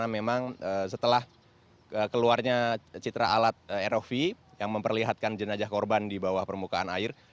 memang setelah keluarnya citra alat rov yang memperlihatkan jenajah korban di bawah permukaan air